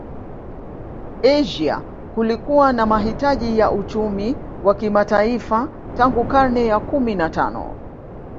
Asia kulikuwa na mahitaji ya uchumi wa kimataifa tangu karne ya kumi na tano